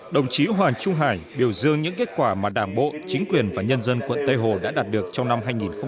đồng chí hoàng trung hải biểu dương những kết quả mà đảng bộ chính quyền và nhân dân quận tây hồ đã đạt được trong năm hai nghìn một mươi chín